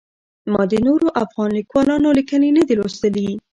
ما د نورو افغان لیکوالانو لیکنې نه دي لوستلي.